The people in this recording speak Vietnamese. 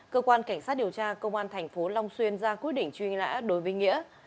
cơ quan cảnh sát điều tra công an thành phố long xuyên ra quyết định truy nã đối với nghĩa